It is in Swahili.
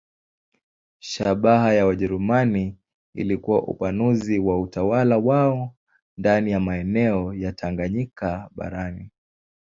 Shabaha ya Wajerumani ilikuwa upanuzi wa utawala wao ndani ya maeneo ya Tanganyika barani.